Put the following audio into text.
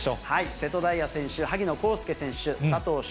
瀬戸大也選手、萩野公介選手、佐藤翔